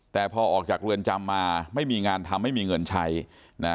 แต่พอออกจากเรือนจำมาไม่มีงานทำไม่มีเงินใช้นะ